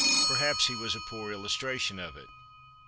Perhaps he was a poor illustration of it.